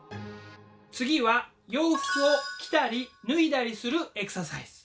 次は洋服を着たり脱いだりするエクササイズ。